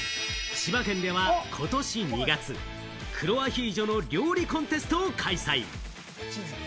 千葉県では今年２月、黒アヒージョの料理コンテストを開催。